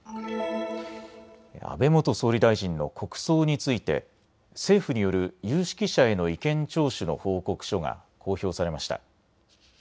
安倍元総理大臣の国葬について政府による有識者への意見聴取の報告書が公表されました。